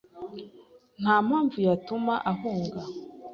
Nta mpamvu yatuma ahunga.